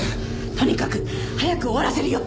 とにかく早く終わらせるよ。